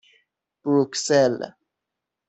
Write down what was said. بروکسل